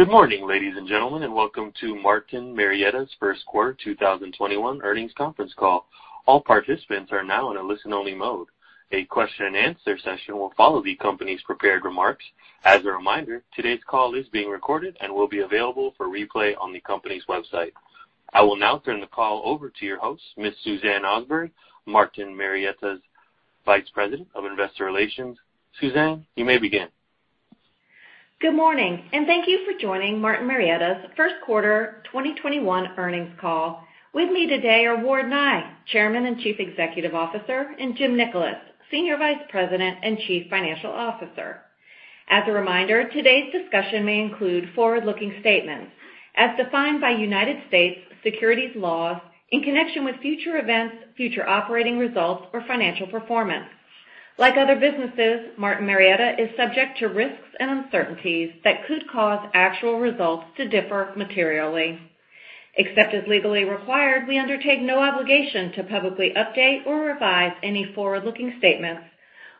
Good morning, ladies and gentlemen, and welcome to Martin Marietta's First Quarter 2021 Earnings Conference Call. All participants are now in a listen-only mode. A question and answer session will follow the company's prepared remarks. As a reminder, today's call is being recorded and will be available for replay on the company's website. I will now turn the call over to your host, Ms. Suzanne Osberg, Martin Marietta's Vice President of Investor Relations. Suzanne, you may begin. Good morning, and thank you for joining Martin Marietta's First Quarter 2021 Earnings Call. With me today are Ward Nye, Chairman and Chief Executive Officer, and Jim Nickolas, Senior Vice President and Chief Financial Officer. As a reminder, today's discussion may include forward-looking statements as defined by U.S. securities laws in connection with future events, future operating results, or financial performance. Like other businesses, Martin Marietta is subject to risks and uncertainties that could cause actual results to differ materially. Except as legally required, we undertake no obligation to publicly update or revise any forward-looking statements,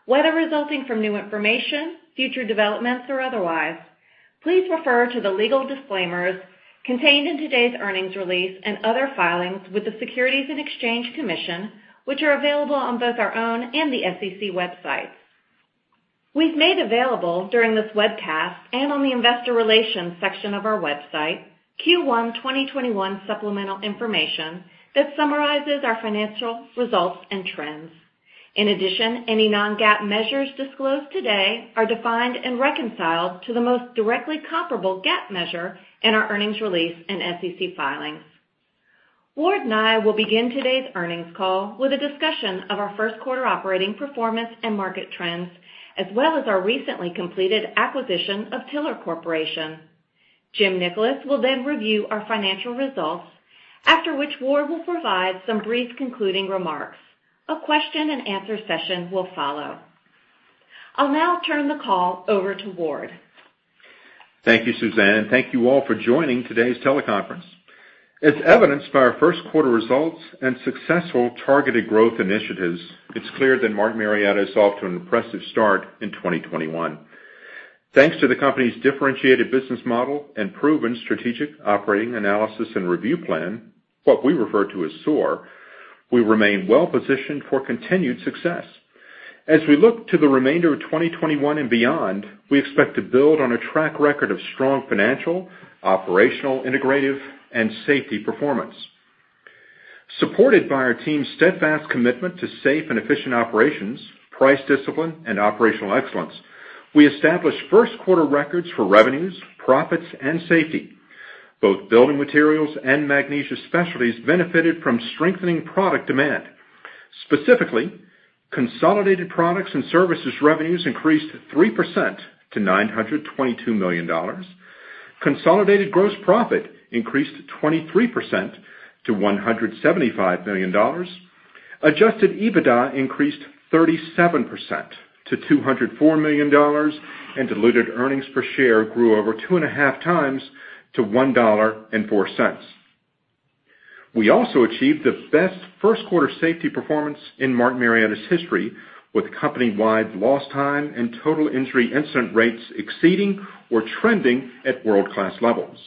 whether resulting from new information, future developments, or otherwise. Please refer to the legal disclaimers contained in today's earnings release and other filings with the Securities and Exchange Commission, which are available on both our own and the SEC websites. We've made available during this webcast, and on the investor relations section of our website, Q1 2021 supplemental information that summarizes our financial results and trends. In addition, any non-GAAP measures disclosed today are defined and reconciled to the most directly comparable GAAP measure in our earnings release and SEC filings. Ward Nye will begin today's earnings call with a discussion of our first quarter operating performance and market trends, as well as our recently completed acquisition of Tiller Corporation. Jim Nickolas will then review our financial results, after which Ward will provide some brief concluding remarks. A question and answer session will follow. I'll now turn the call over to Ward. Thank you, Suzanne, and thank you all for joining today's teleconference. As evidenced by our first quarter results and successful targeted growth initiatives, it's clear that Martin Marietta is off to an impressive start in 2021. Thanks to the company's differentiated business model and proven Strategic Operating Analysis and Review plan, what we refer to as SOAR, we remain well-positioned for continued success. As we look to the remainder of 2021 and beyond, we expect to build on a track record of strong financial, operational, integrative, and safety performance. Supported by our team's steadfast commitment to safe and efficient operations, price discipline, and operational excellence, we established first quarter records for revenues, profits, and safety. Both building materials and Magnesia Specialties benefited from strengthening product demand. Specifically, consolidated products and services revenues increased 3% to $922 million. Consolidated gross profit increased 23% to $175 million. Adjusted EBITDA increased 37% to $204 million, and diluted earnings per share grew over 2.5x to $1.04. We also achieved the best first quarter safety performance in Martin Marietta's history, with company-wide lost time and total injury incident rates exceeding or trending at world-class levels.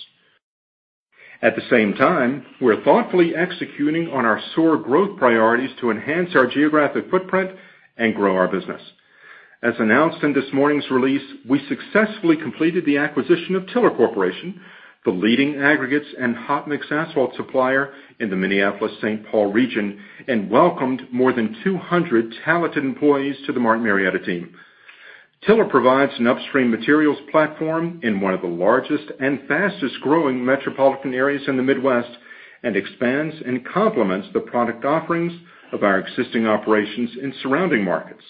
At the same time, we're thoughtfully executing on our SOAR growth priorities to enhance our geographic footprint and grow our business. As announced in this morning's release, we successfully completed the acquisition of Tiller Corporation, the leading aggregates and hot mix asphalt supplier in the Minneapolis-St. Paul region, and welcomed more than 200 talented employees to the Martin Marietta team. Tiller provides an upstream materials platform in one of the largest and fastest-growing metropolitan areas in the Midwest and expands and complements the product offerings of our existing operations in surrounding markets.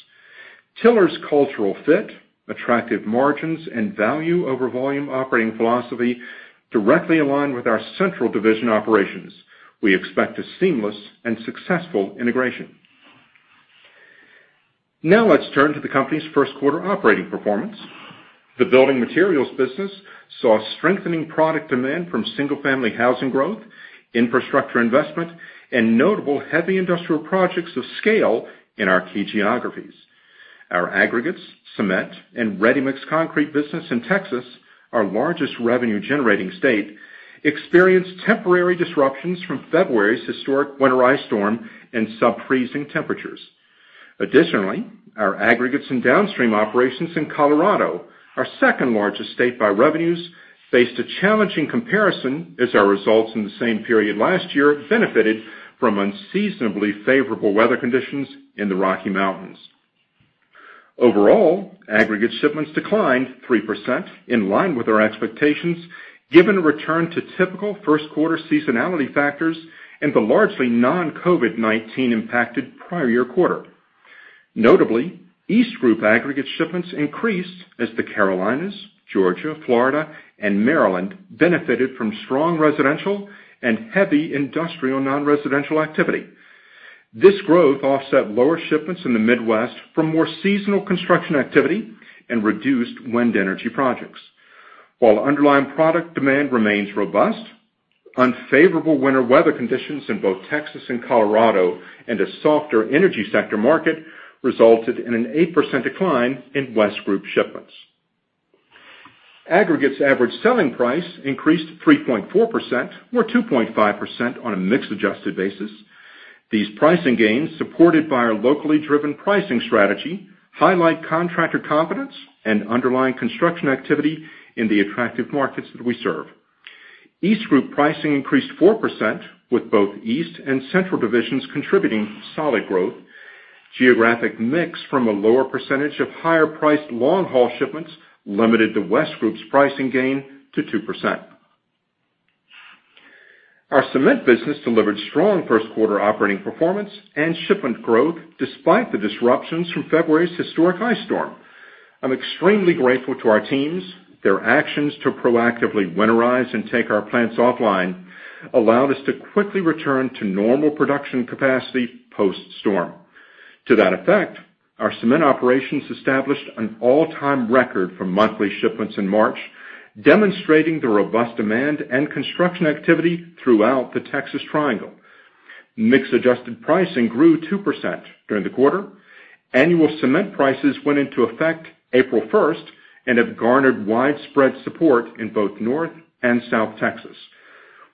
Tiller's cultural fit, attractive margins, and value over volume operating philosophy directly align with our Central Division operations. We expect a seamless and successful integration. Let's turn to the company's first quarter operating performance. The building materials business saw strengthening product demand from single-family housing growth, infrastructure investment, and notable heavy industrial projects of scale in our key geographies. Our aggregates, cement, and ready-mix concrete business in Texas, our largest revenue-generating state, experienced temporary disruptions from February's historic winter ice storm and sub-freezing temperatures. Additionally, our aggregates and downstream operations in Colorado, our second-largest state by revenues, faced a challenging comparison as our results in the same period last year benefited from unseasonably favorable weather conditions in the Rocky Mountains. Overall, aggregate shipments declined 3%, in line with our expectations, given a return to typical first quarter seasonality factors and the largely non-COVID-19 impacted prior year quarter. Notably, East Group aggregate shipments increased as the Carolinas, Georgia, Florida, and Maryland benefited from strong residential and heavy industrial non-residential activity. This growth offset lower shipments in the Midwest from more seasonal construction activity and reduced wind energy projects. Underlying product demand remains robust, unfavorable winter weather conditions in both Texas and Colorado and a softer energy sector market resulted in an 8% decline in West Group shipments. Aggregates average selling price increased 3.4%, or 2.5% on a mix-adjusted basis. These pricing gains, supported by our locally driven pricing strategy, highlight contractor confidence and underlying construction activity in the attractive markets that we serve. East Group pricing increased 4%, with both East and Central Divisions contributing to solid growth. Geographic mix from a lower percentage of higher priced long-haul shipments limited the West Group's pricing gain to 2%. Our cement business delivered strong first quarter operating performance and shipment growth, despite the disruptions from February's historic ice storm. I'm extremely grateful to our teams. Their actions to proactively winterize and take our plants offline allowed us to quickly return to normal production capacity post-storm. To that effect, our cement operations established an all-time record for monthly shipments in March, demonstrating the robust demand and construction activity throughout the Texas Triangle. Mix adjusted pricing grew 2% during the quarter. Annual cement prices went into effect April 1st and have garnered widespread support in both North and South Texas.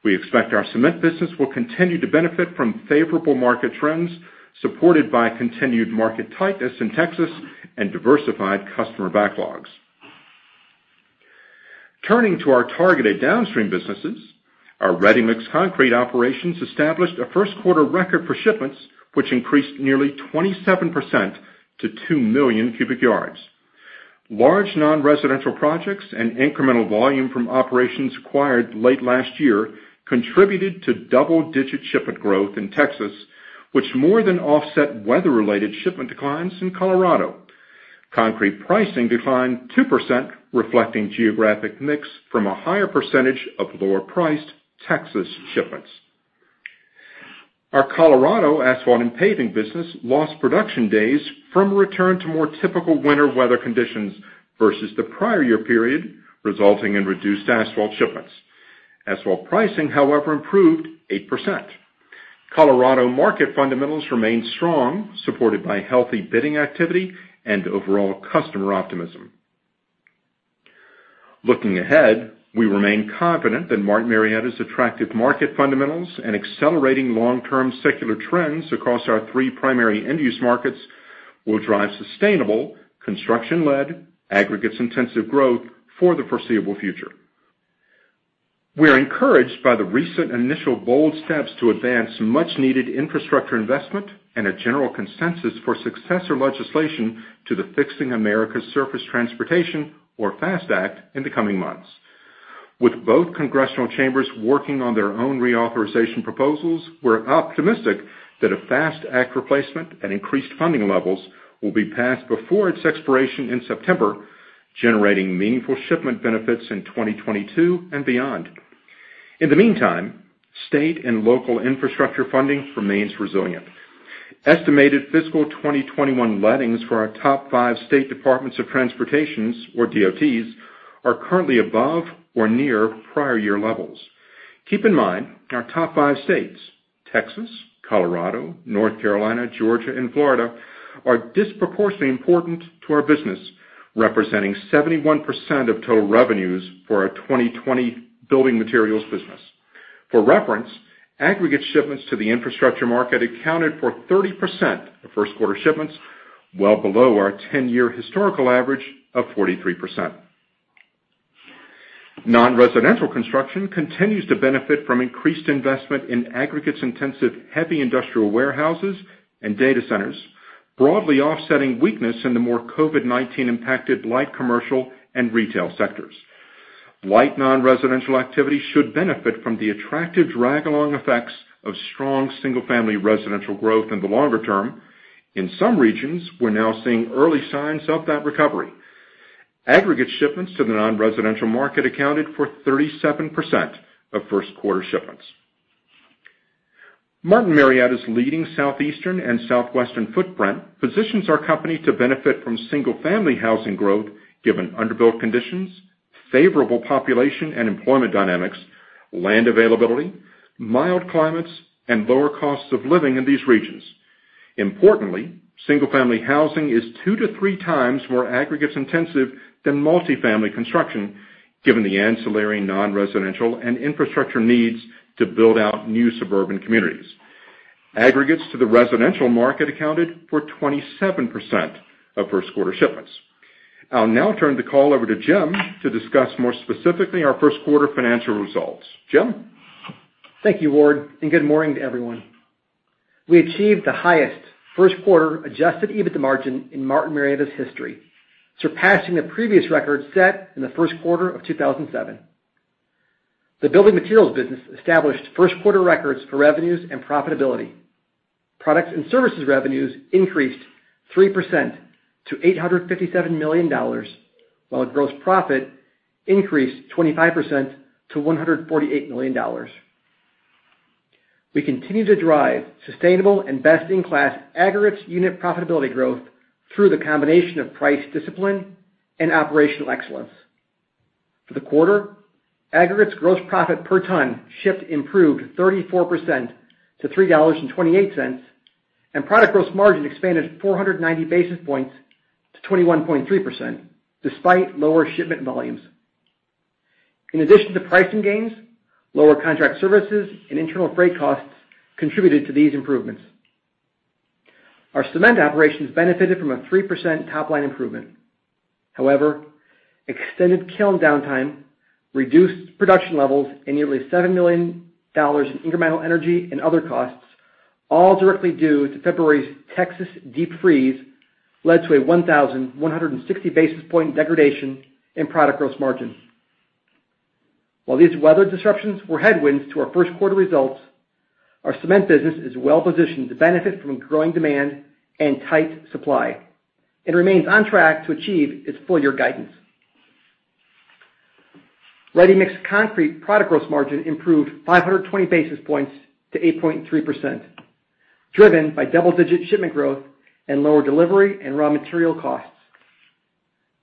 We expect our cement business will continue to benefit from favorable market trends, supported by continued market tightness in Texas and diversified customer backlogs. Turning to our targeted downstream businesses, our ready-mix concrete operations established a first quarter record for shipments, which increased nearly 27% to 2 million cu yd. Large non-residential projects and incremental volume from operations acquired late last year contributed to double-digit shipment growth in Texas, which more than offset weather related shipment declines in Colorado. Concrete pricing declined 2%, reflecting geographic mix from a higher percentage of lower priced Texas shipments. Our Colorado asphalt and paving business lost production days from a return to more typical winter weather conditions versus the prior year period, resulting in reduced asphalt shipments. Asphalt pricing, however, improved 8%. Colorado market fundamentals remained strong, supported by healthy bidding activity and overall customer optimism. Looking ahead, we remain confident that Martin Marietta's attractive market fundamentals and accelerating long-term secular trends across our three primary end-use markets will drive sustainable construction-led aggregates intensive growth for the foreseeable future. We are encouraged by the recent initial bold steps to advance much needed infrastructure investment and a general consensus for successor legislation to the Fixing America's Surface Transportation, or FAST Act, in the coming months. With both congressional chambers working on their own reauthorization proposals, we're optimistic that a FAST Act replacement and increased funding levels will be passed before its expiration in September, generating meaningful shipment benefits in 2022 and beyond. In the meantime, state and local infrastructure funding remains resilient. Estimated fiscal 2021 lettings for our top five state Departments of Transportation or DOTs are currently above or near prior year levels. Keep in mind, our top five states, Texas, Colorado, North Carolina, Georgia, and Florida, are disproportionately important to our business, representing 71% of total revenues for our 2020 building materials business. For reference, aggregate shipments to the infrastructure market accounted for 30% of first quarter shipments, well below our 10-year historical average of 43%. Non-residential construction continues to benefit from increased investment in aggregates intensive, heavy industrial warehouses, and data centers, broadly offsetting weakness in the more COVID-19 impacted light commercial and retail sectors. Light non-residential activity should benefit from the attractive drag along effects of strong single family residential growth in the longer term. In some regions, we're now seeing early signs of that recovery. Aggregate shipments to the non-residential market accounted for 37% of first quarter shipments. Martin Marietta's leading Southeastern and Southwestern footprint positions our company to benefit from single family housing growth given under-built conditions, favorable population and employment dynamics, land availability, mild climates, and lower costs of living in these regions. Importantly, single family housing is two to three times more aggregates intensive than multi-family construction, given the ancillary non-residential and infrastructure needs to build out new suburban communities. Aggregates to the residential market accounted for 27% of first quarter shipments. I'll now turn the call over to Jim to discuss more specifically our first quarter financial results. Jim? Thank you, Ward. Good morning to everyone. We achieved the highest first quarter adjusted EBITDA margin in Martin Marietta's history, surpassing the previous record set in the first quarter of 2007. The building materials business established first quarter records for revenues and profitability. Products and services revenues increased 3% to $857 million, while its gross profit increased 25% to $148 million. We continue to drive sustainable and best-in-class aggregates unit profitability growth through the combination of price discipline and operational excellence. For the quarter, aggregates gross profit per ton shipped improved 34% to $3.28, and product gross margin expanded 490 basis points to 21.3%, despite lower shipment volumes. In addition to pricing gains, lower contract services and internal freight costs contributed to these improvements. Our cement operations benefited from a 3% top-line improvement. However, extended kiln downtime, reduced production levels, and nearly $7 million in incremental energy and other costs, all directly due to February's Texas deep freeze, led to a 1,160 basis point degradation in product gross margin. While these weather disruptions were headwinds to our first quarter results, our cement business is well positioned to benefit from growing demand and tight supply. It remains on track to achieve its full-year guidance. Ready-mixed concrete product gross margin improved 520 basis points to 8.3%, driven by double-digit shipment growth and lower delivery and raw material costs.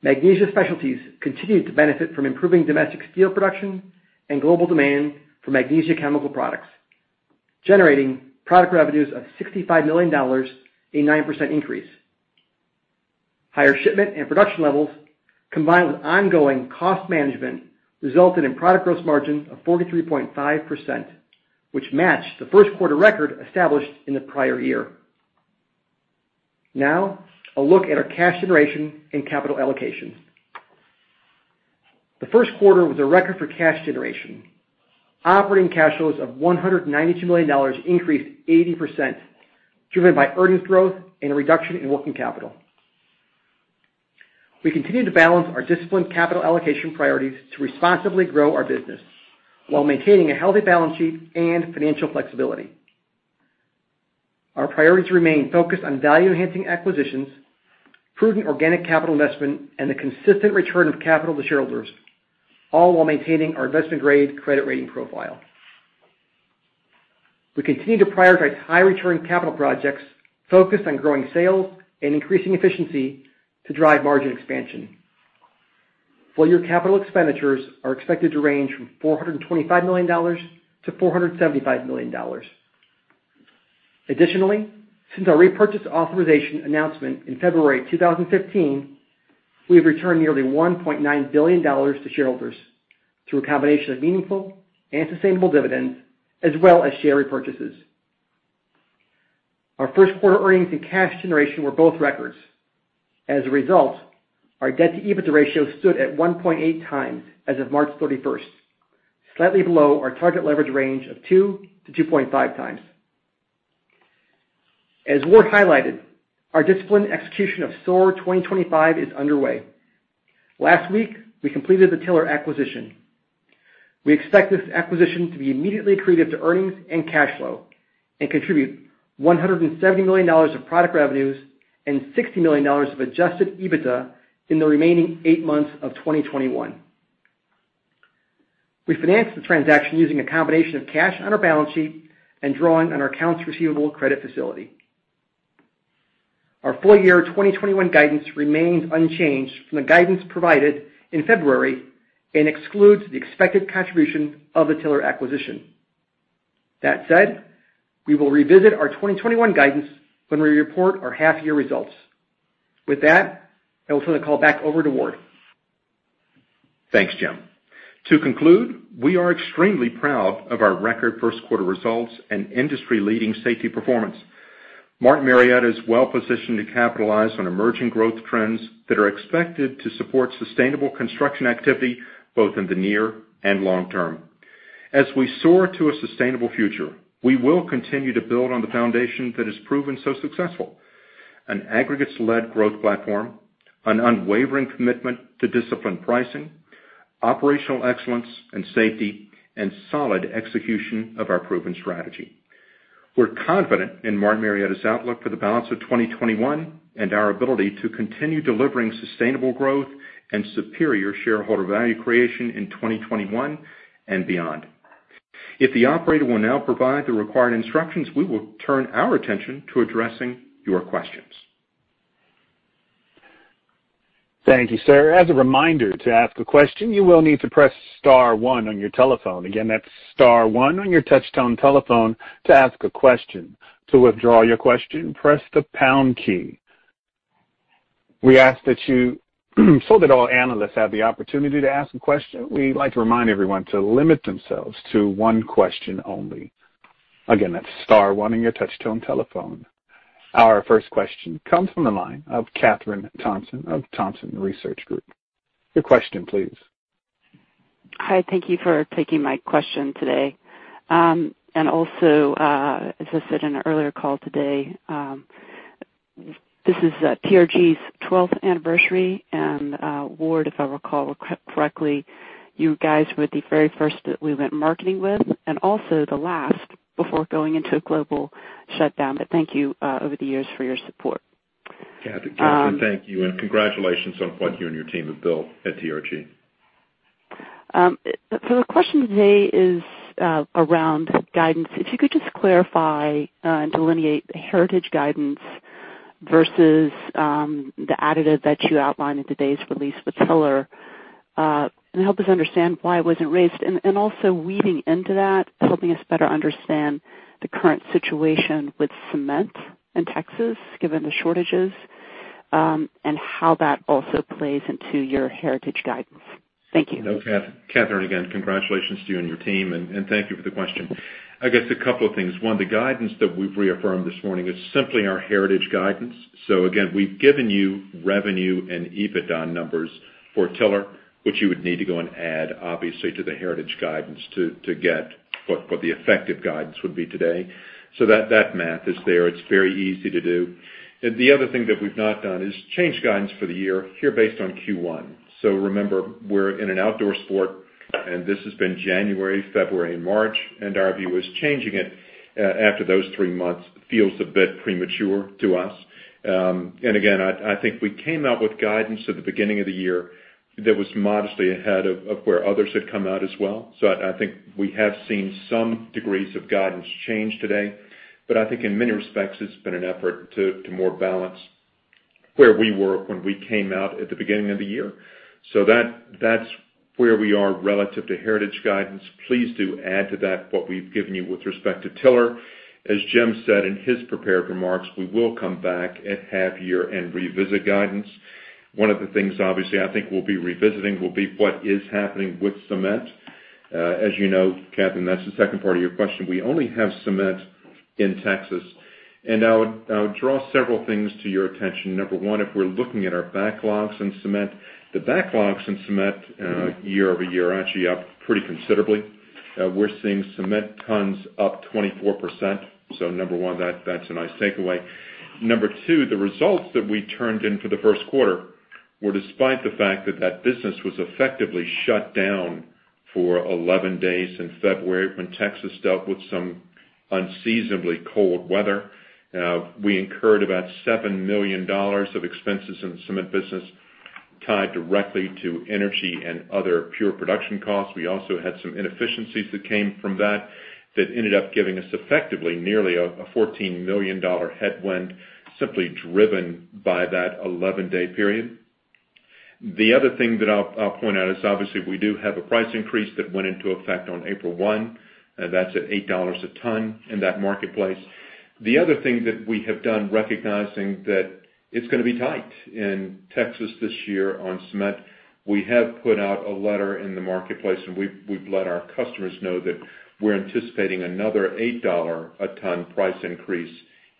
Magnesia Specialties continued to benefit from improving domestic steel production and global demand for magnesia chemical products, generating product revenues of $65 million, a 9% increase. Higher shipment and production levels, combined with ongoing cost management, resulted in product gross margin of 43.5%, which matched the first quarter record established in the prior year. Now, a look at our cash generation and capital allocation. The first quarter was a record for cash generation. Operating cash flows of $192 million increased 80%, driven by earnings growth and a reduction in working capital. We continue to balance our disciplined capital allocation priorities to responsibly grow our business while maintaining a healthy balance sheet and financial flexibility. Our priorities remain focused on value-enhancing acquisitions, prudent organic capital investment, and the consistent return of capital to shareholders, all while maintaining our investment-grade credit rating profile. We continue to prioritize high-return capital projects focused on growing sales and increasing efficiency to drive margin expansion. Full-year capital expenditures are expected to range from $425 million-$475 million. Additionally, since our repurchase authorization announcement in February 2015, we have returned nearly $1.9 billion to shareholders through a combination of meaningful and sustainable dividends, as well as share repurchases. Our first quarter earnings and cash generation were both records. As a result, our debt-to-EBITDA ratio stood at 1.8x as of March 31st, slightly below our target leverage range of 2x-2.5x. As Ward highlighted, our disciplined execution of SOAR 2025 is underway. Last week, we completed the Tiller acquisition. We expect this acquisition to be immediately accretive to earnings and cash flow and contribute $170 million of product revenues and $60 million of adjusted EBITDA in the remaining eight months of 2021. We financed the transaction using a combination of cash on our balance sheet and drawing on our accounts receivable credit facility. Our full-year 2021 guidance remains unchanged from the guidance provided in February and excludes the expected contribution of the Tiller acquisition. That said, we will revisit our 2021 guidance when we report our half-year results. With that, I will turn the call back over to Ward. Thanks, Jim. To conclude, we are extremely proud of our record first quarter results and industry-leading safety performance. Martin Marietta is well positioned to capitalize on emerging growth trends that are expected to support sustainable construction activity, both in the near and long term. As we soar to a sustainable future, we will continue to build on the foundation that has proven so successful: an aggregates-led growth platform, an unwavering commitment to disciplined pricing, operational excellence and safety, and solid execution of our proven strategy. We're confident in Martin Marietta's outlook for the balance of 2021 and our ability to continue delivering sustainable growth and superior shareholder value creation in 2021 and beyond. If the operator will now provide the required instructions, we will turn our attention to addressing your questions. Thank you, sir. As a reminder, to ask a question, you will need to press star one on your telephone. Again, that's star one on your touch-tone telephone to ask a question. To withdraw your question, press the pound key. That all analysts have the opportunity to ask a question, we like to remind everyone to limit themselves to one question only. Again, that's star one on your touch-tone telephone. Our first question comes from the line of Kathryn Thompson of Thompson Research Group. Your question, please. Hi. Thank you for taking my question today. Also, as I said in an earlier call today, this is TRG's 12th anniversary. Ward, if I recall correctly, you guys were the very first that we went marketing with, and also the last before going into a global shutdown. Thank you over the years for your support. Kathryn, thank you, and congratulations on what you and your team have built at TRG. The question today is around guidance. If you could just clarify and delineate heritage guidance versus the additive that you outlined in today's release with Tiller, and help us understand why it wasn't raised. Also weaving into that, helping us better understand the current situation with cement in Texas, given the shortages, and how that also plays into your heritage guidance. Thank you. No, Kathryn, again, congratulations to you and your team, and thank you for the question. I guess a couple of things. One, the guidance that we've reaffirmed this morning is simply our heritage guidance. Again, we've given you revenue and EBITDA numbers for Tiller, which you would need to go and add, obviously, to the heritage guidance to get what the effective guidance would be today. That math is there. It's very easy to do. The other thing that we've not done is change guidance for the year here based on Q1. Remember, we're in an outdoor sport, and this has been January, February, and March, and our view is changing it, after those three months feels a bit premature to us. I think we came out with guidance at the beginning of the year that was modestly ahead of where others had come out as well. I think we have seen some degrees of guidance change today, but I think in many respects, it's been an effort to more balance where we were when we came out at the beginning of the year. That's where we are relative to heritage guidance. Please do add to that what we've given you with respect to Tiller. As Jim said in his prepared remarks, we will come back at half year and revisit guidance. One of the things, obviously, I think we'll be revisiting will be what is happening with cement. As you know, Kathryn, that's the second part of your question. We only have cement in Texas. I would draw several things to your attention. Number one, if we're looking at our backlogs in cement, the backlogs in cement year-over-year are actually up pretty considerably. We're seeing cement tons up 24%. Number one, that's a nice takeaway. Number two, the results that we turned in for the first quarter were despite the fact that that business was effectively shut down for 11 days in February when Texas dealt with some unseasonably cold weather. We incurred about $7 million of expenses in the cement business tied directly to energy and other pure production costs. We also had some inefficiencies that came from that ended up giving us effectively nearly a $14 million headwind, simply driven by that 11-day period. The other thing that I'll point out is obviously we do have a price increase that went into effect on April 1. That's at $8 a ton in that marketplace. The other thing that we have done, recognizing that it's going to be tight in Texas this year on cement, we have put out a letter in the marketplace, and we've let our customers know that we're anticipating another $8 a ton price increase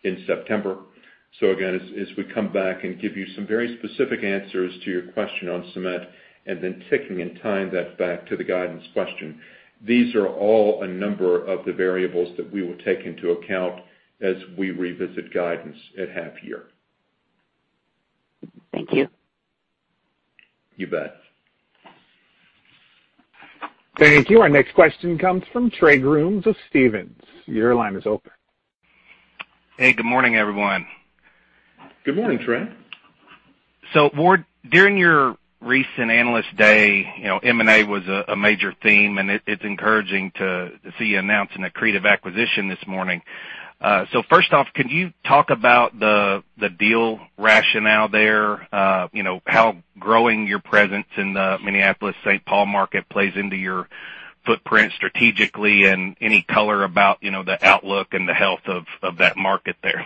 in September. Again, as we come back and give you some very specific answers to your question on cement and then ticking and tying that back to the guidance question, these are all a number of the variables that we will take into account as we revisit guidance at half year. Thank you. You bet. Thank you. Our next question comes from Trey Grooms of Stephens. Your line is open. Hey, good morning, everyone. Good morning, Trey. Ward, during your recent Analyst Day, M&A was a major theme, and it's encouraging to see you announce an accretive acquisition this morning. First off, can you talk about the deal rationale there? How growing your presence in the Minneapolis-St. Paul market plays into your footprint strategically, and any color about the outlook and the health of that market there?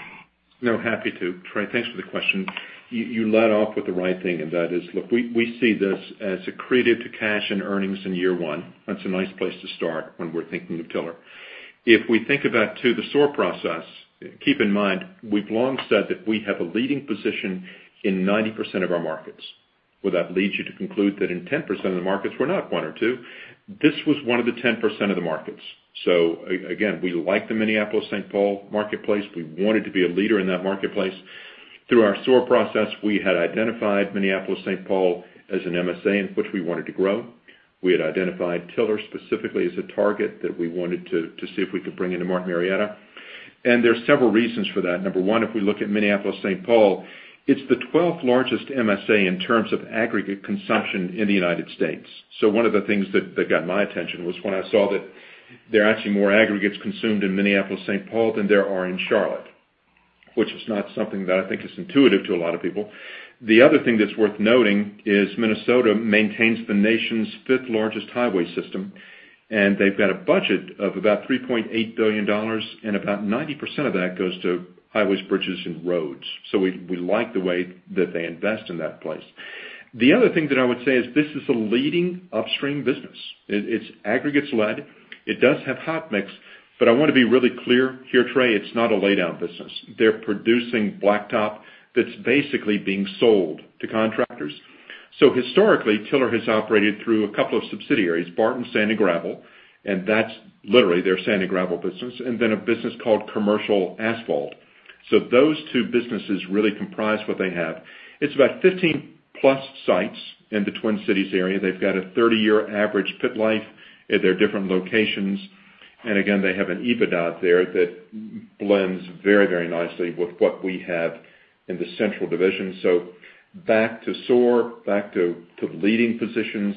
No, happy to. Trey, thanks for the question. You led off with the right thing, and that is, look, we see this as accretive to cash and earnings in year one. That's a nice place to start when we're thinking of Tiller. If we think about, too, the SOAR process, keep in mind, we've long said that we have a leading position in 90% of our markets. Would that lead you to conclude that in 10% of the markets, we're not one or two? This was one of the 10% of the markets. Again, we like the Minneapolis-St. Paul marketplace. We wanted to be a leader in that marketplace. Through our SOAR process, we had identified Minneapolis-St. Paul as an MSA in which we wanted to grow. We had identified Tiller specifically as a target that we wanted to see if we could bring into Martin Marietta. There's several reasons for that. Number one, if we look at Minneapolis-St. Paul, it's the 12th largest MSA in terms of aggregate consumption in the United States. One of the things that got my attention was when I saw that there are actually more aggregates consumed in Minneapolis-St. Paul than there are in Charlotte, which is not something that I think is intuitive to a lot of people. The other thing that's worth noting is Minnesota maintains the nation's fifth largest highway system, and they've got a budget of about $3.8 billion, and about 90% of that goes to highways, bridges, and roads. We like the way that they invest in that place. The other thing that I would say is this is a leading upstream business. It's aggregates led. It does have hot mix, but I want to be really clear here, Trey, it's not a laydown business. They're producing blacktop that's basically being sold to contractors. Historically, Tiller has operated through a couple of subsidiaries, Barton Sand & Gravel, and that's literally their sand and gravel business, and then a business called Commercial Asphalt. Those two businesses really comprise what they have. It's about 15+ sites in the Twin Cities area. They've got a 30-year average pit life at their different locations. Again, they have an EBITDA there that blends very nicely with what we have in the Central Division. Back to SOAR, back to leading positions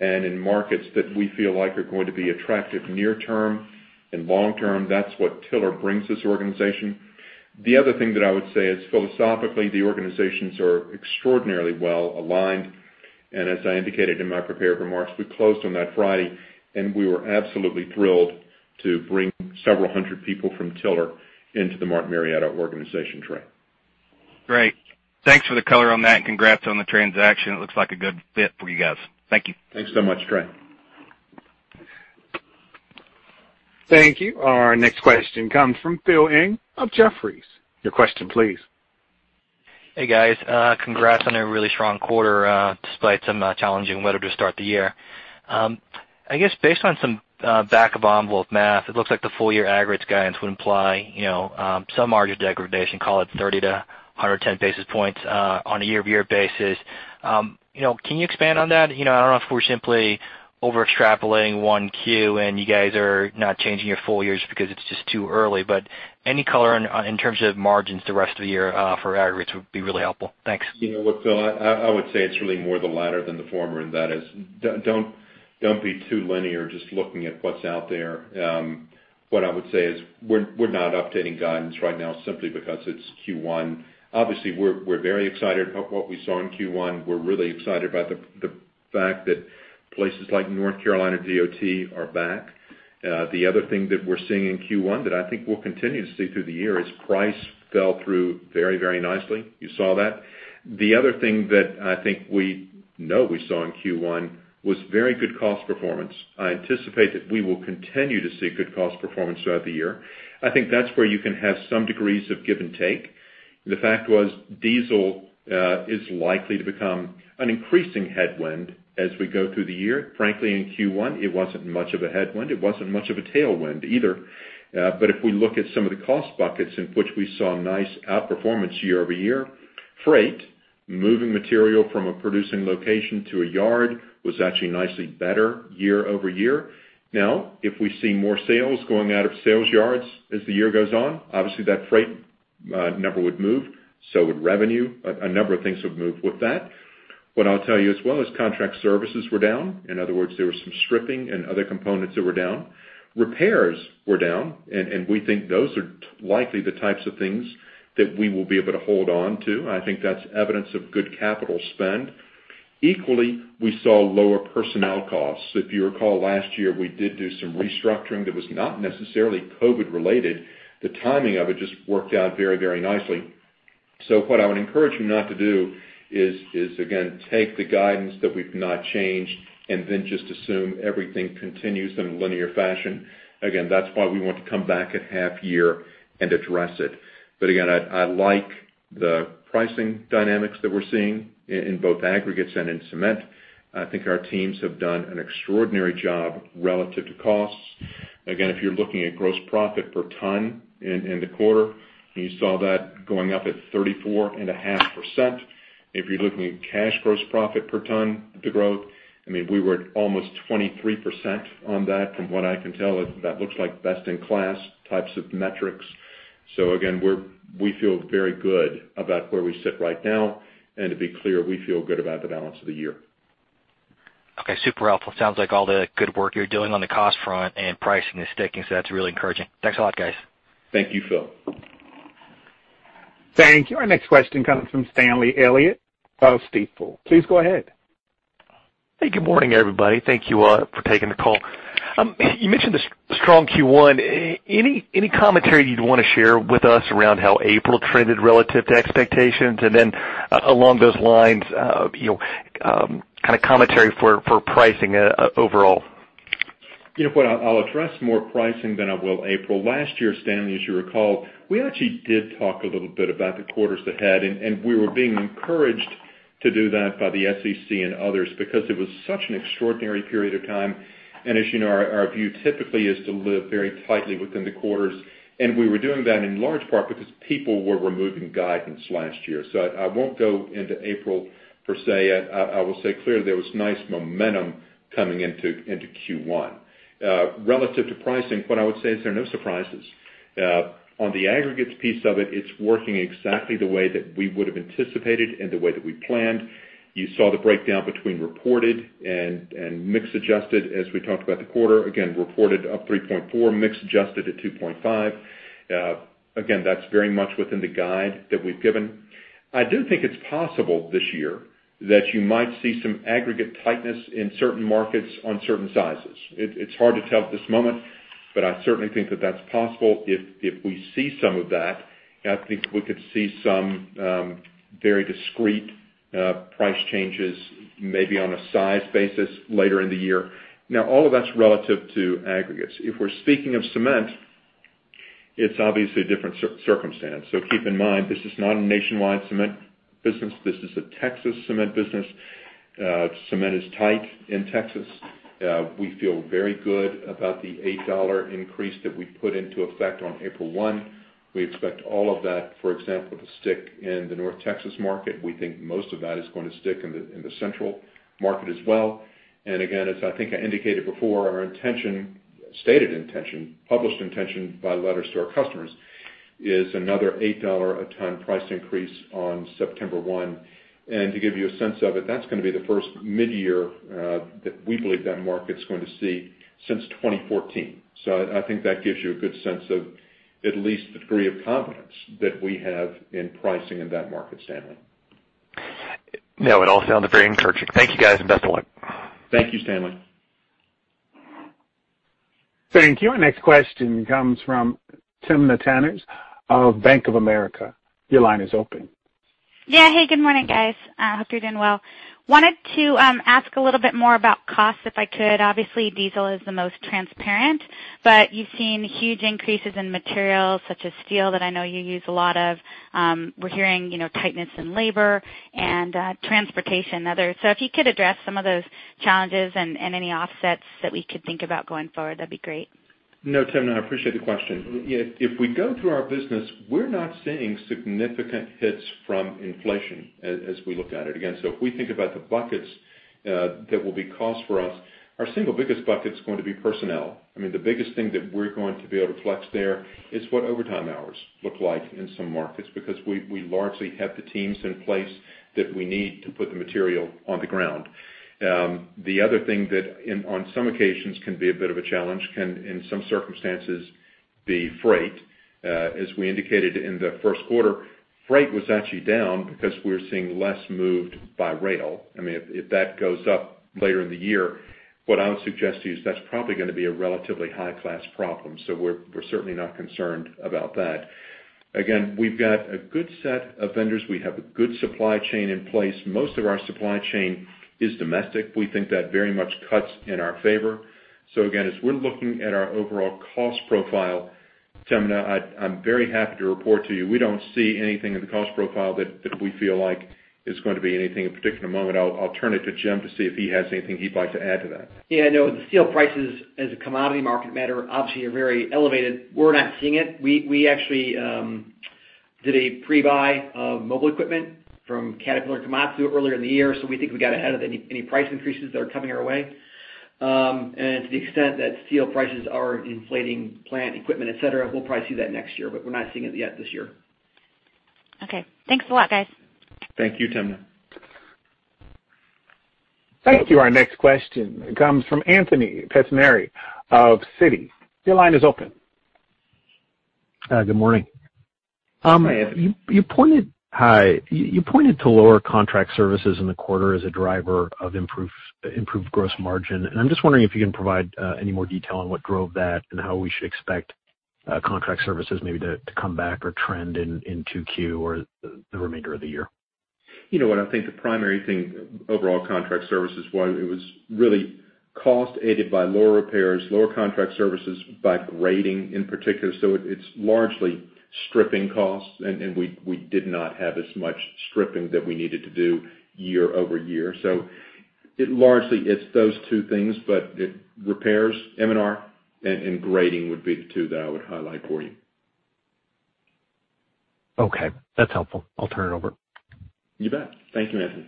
and in markets that we feel like are going to be attractive near term and long term. That's what Tiller brings this organization. The other thing that I would say is philosophically, the organizations are extraordinarily well-aligned. As I indicated in my prepared remarks, we closed on that Friday, and we were absolutely thrilled to bring several hundred people from Tiller into the Martin Marietta organization, Trey. Great. Thanks for the color on that. Congrats on the transaction. It looks like a good fit for you guys. Thank you. Thanks so much, Trey. Thank you. Our next question comes from Phil Ng of Jefferies. Your question, please. Hey, guys. Congrats on a really strong quarter, despite some challenging weather to start the year. I guess based on some back of envelope math, it looks like the full-year aggregates guidance would imply some margin degradation, call it 30-110 basis points, on a year-over-year basis. Can you expand on that? I don't know if we're simply over-extrapolating 1Q and you guys are not changing your full years because it's just too early. Any color in terms of margins the rest of the year for aggregates would be really helpful. Thanks. You know what, Phil? I would say it's really more the latter than the former, that is, don't be too linear just looking at what's out there. What I would say is, we're not updating guidance right now simply because it's Q1. Obviously, we're very excited about what we saw in Q1. We're really excited about the fact that places like North Carolina DOT are back. The other thing that we're seeing in Q1 that I think we'll continue to see through the year is price fell through very nicely. You saw that. The other thing that I think we know we saw in Q1 was very good cost performance. I anticipate that we will continue to see good cost performance throughout the year. I think that's where you can have some degrees of give and take. The fact was, diesel, is likely to become an increasing headwind as we go through the year. Frankly, in Q1, it wasn't much of a headwind. It wasn't much of a tailwind either. If we look at some of the cost buckets in which we saw nice outperformance year-over-year, freight, moving material from a producing location to a yard was actually nicely better year-over-year. Now, if we see more sales going out of sales yards as the year goes on, obviously that freight number would move, so would revenue. A number of things would move with that. What I'll tell you as well is contract services were down. In other words, there was some stripping and other components that were down. Repairs were down, and we think those are likely the types of things that we will be able to hold on to. I think that's evidence of good capital spend. Equally, we saw lower personnel costs. If you recall last year, we did do some restructuring that was not necessarily COVID related. The timing of it just worked out very nicely. What I would encourage you not to do is, again, take the guidance that we've not changed and then just assume everything continues in a linear fashion. Again, that's why we want to come back at half year and address it. Again, I like the pricing dynamics that we're seeing in both aggregates and in cement. I think our teams have done an extraordinary job relative to costs. Again, if you're looking at gross profit per ton in the quarter, you saw that going up at 34.5%. If you're looking at cash gross profit per ton, the growth, we were at almost 23% on that. From what I can tell, that looks like best-in-class types of metrics. again, we feel very good about where we sit right now, and to be clear, we feel good about the balance of the year. Okay, super helpful. Sounds like all the good work you're doing on the cost front and pricing is sticking, so that's really encouraging. Thanks a lot, guys. Thank you, Phil. Thank you. Our next question comes from Stanley Elliott of Stifel. Please go ahead. Hey, good morning, everybody. Thank you all for taking the call. You mentioned the strong Q1. Any commentary you'd want to share with us around how April trended relative to expectations? Along those lines, kind of commentary for pricing overall. You know what? I'll address more pricing than I will April. Last year, Stanley, as you recall, we actually did talk a little bit about the quarters ahead, and we were being encouraged to do that by the SEC and others because it was such an extraordinary period of time. As you know, our view typically is to live very tightly within the quarters, and we were doing that in large part because people were removing guidance last year. I won't go into April per se. I will say clearly there was nice momentum coming into Q1. Relative to pricing, what I would say is there are no surprises. On the aggregates piece of it's working exactly the way that we would have anticipated and the way that we planned. You saw the breakdown between reported and mix adjusted as we talked about the quarter. Again, reported up 3.4, mix adjusted at 2.5. Again, that's very much within the guide that we've given. I do think it's possible this year that you might see some aggregate tightness in certain markets on certain sizes. It's hard to tell at this moment, but I certainly think that that's possible. If we see some of that, I think we could see some very discreet price changes, maybe on a size basis later in the year. Now, all of that's relative to aggregates. If we're speaking of cement, it's obviously a different circumstance. Keep in mind, this is not a nationwide cement business. This is a Texas cement business. Cement is tight in Texas. We feel very good about the $8 increase that we put into effect on April 1. We expect all of that, for example, to stick in the North Texas market. We think most of that is going to stick in the Central market as well. Again, as I think I indicated before, our stated intention, published intention by letters to our customers is another $8 a ton price increase on September 1. To give you a sense of it, that's going to be the first mid-year that we believe that market's going to see since 2014. I think that gives you a good sense of at least the degree of confidence that we have in pricing in that market, Stanley. No, it all sounded very encouraging. Thank you, guys, and best of luck. Thank you, Stanley. Thank you. Our next question comes from Timna Tanners of Bank of America. Your line is open. Yeah. Hey, good morning, guys. Hope you're doing well. Wanted to ask a little bit more about costs, if I could. Obviously, diesel is the most transparent, but you've seen huge increases in materials such as steel, that I know you use a lot of. We're hearing tightness in labor and transportation and others. If you could address some of those challenges and any offsets that we could think about going forward, that'd be great. No, Timna, I appreciate the question. If we go through our business, we're not seeing significant hits from inflation as we look at it. Again, if we think about the buckets that will be cost for us, our single biggest bucket's going to be personnel. The biggest thing that we're going to be able to flex there is what overtime hours look like in some markets because we largely have the teams in place that we need to put the material on the ground. The other thing that on some occasions can be a bit of a challenge can, in some circumstances, be freight. As we indicated in the first quarter, freight was actually down because we're seeing less moved by rail. If that goes up later in the year, what I would suggest to you is that's probably going to be a relatively high-class problem. we're certainly not concerned about that. Again, we've got a good set of vendors. We have a good supply chain in place. Most of our supply chain is domestic. We think that very much cuts in our favor. again, as we're looking at our overall cost profile, Timna, I'm very happy to report to you, we don't see anything in the cost profile that we feel like is going to be anything of particular moment. I'll turn it to Jim to see if he has anything he'd like to add to that. Yeah, no, the steel prices as a commodity market matter obviously are very elevated. We're not seeing it. We actually did a pre-buy of mobile equipment from Caterpillar/Komatsu earlier in the year, so we think we got ahead of any price increases that are coming our way. To the extent that steel prices are inflating plant equipment, et cetera, we'll probably see that next year, but we're not seeing it yet this year. Okay. Thanks a lot, guys. Thank you, Timna. Thank you. Our next question comes from Anthony Pettinari of Citi. Your line is open. Good morning. Hi, Anthony. Hi. You pointed to lower contract services in the quarter as a driver of improved gross margin, and I'm just wondering if you can provide any more detail on what drove that and how we should expect contract services maybe to come back or trend in 2Q or the remainder of the year? You know what? I think the primary thing, overall contract services, while it was really cost aided by lower repairs, lower contract services by grading in particular. It's largely stripping costs, and we did not have as much stripping that we needed to do year-over-year. It largely, it's those two things, but repairs, M&R, and grading would be the two that I would highlight for you. Okay. That's helpful. I'll turn it over. You bet. Thank you, Anthony.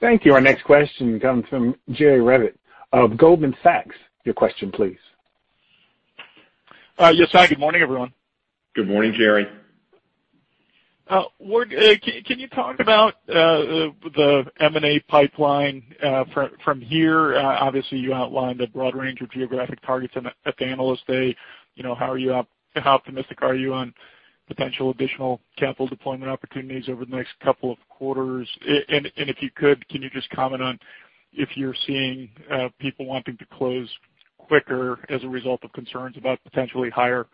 Thank you. Our next question comes from Jerry Revich of Goldman Sachs. Your question, please. Yes. Hi, good morning, everyone. Good morning, Jerry. Can you talk about the M&A pipeline from here? Obviously, you outlined a broad range of geographic targets at the Analyst Day. How optimistic are you on potential additional capital deployment opportunities over the next couple of quarters? If you could, can you just comment on if you're seeing people wanting to close quicker as a result of concerns about potentially higher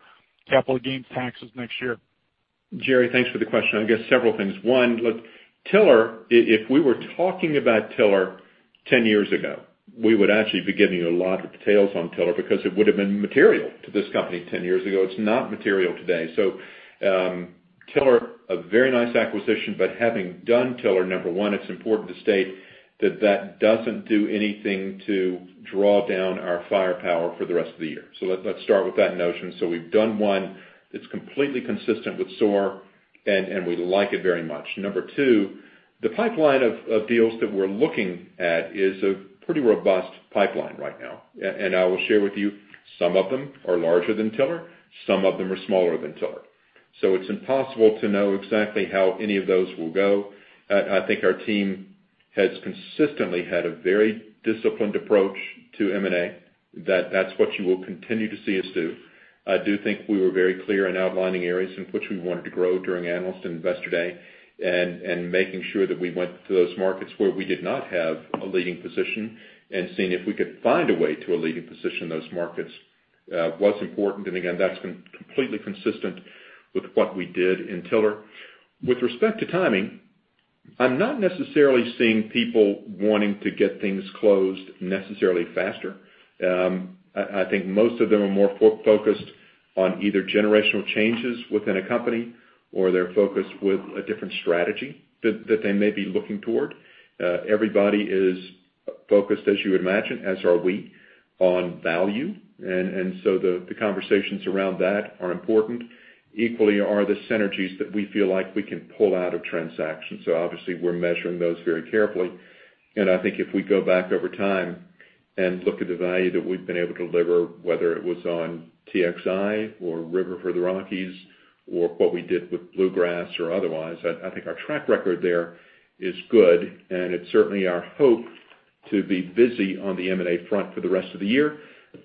capital gains taxes next year? Jerry, thanks for the question. I guess several things. One, look, Tiller, if we were talking about Tiller 10 years ago, we would actually be giving you a lot of details on Tiller because it would have been material to this company 10 years ago. It's not material today. Tiller, a very nice acquisition, but having done Tiller, number one, it's important to state that that doesn't do anything to draw down our firepower for the rest of the year. let's start with that notion. we've done one that's completely consistent with SOAR, and we like it very much. Number two, the pipeline of deals that we're looking at is a pretty robust pipeline right now. I will share with you, some of them are larger than Tiller, some of them are smaller than Tiller. It's impossible to know exactly how any of those will go. I think our team has consistently had a very disciplined approach to M&A. That's what you will continue to see us do. I do think we were very clear in outlining areas in which we wanted to grow during Analyst and Investor Day, and making sure that we went to those markets where we did not have a leading position, and seeing if we could find a way to a leading position in those markets was important. again, that's been completely consistent with what we did in Tiller. With respect to timing, I'm not necessarily seeing people wanting to get things closed necessarily faster. I think most of them are more focused on either generational changes within a company or they're focused with a different strategy that they may be looking toward. Everybody is focused, as you would imagine, as are we, on value, and so the conversations around that are important. Equally are the synergies that we feel like we can pull out of transactions. Obviously, we're measuring those very carefully. I think if we go back over time and look at the value that we've been able to deliver, whether it was on TXI or River for the Rockies or what we did with Bluegrass or otherwise. I think our track record there is good, and it's certainly our hope to be busy on the M&A front for the rest of the year.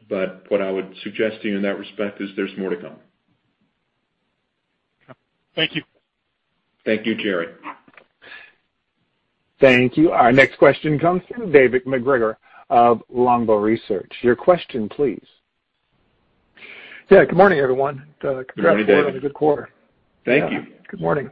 What I would suggest to you in that respect is there's more to come. Thank you. Thank you, Jerry. Thank you. Our next question comes from David MacGregor of Longbow Research. Your question, please. Yeah, good morning, everyone. Good morning, David. Congrats on a good quarter. Thank you. Good morning.